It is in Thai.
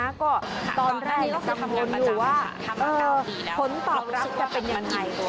แล้วก็ตอนแรกจะสำนวนอยู่ว่าเออผลตอบรับกาเป็นยังไง